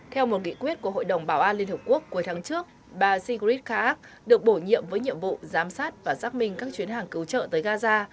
theo một nghị quyết của hội đồng bảo an liên hợp quốc cuối tháng trước bà sigrid kaak được bổ nhiệm với nhiệm vụ giám sát và giác minh các chuyến hàng cứu trợ tới gaza